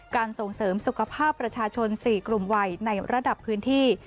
ส่งเสริมสุขภาพประชาชน๔กลุ่มวัยในระดับพื้นที่